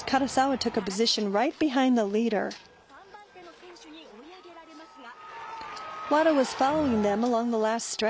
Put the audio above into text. ３番手の選手に追い上げられますが。